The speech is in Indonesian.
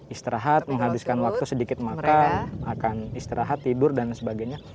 istirahat menghabiskan waktu sedikit makan makan istirahat tidur dan sebagainya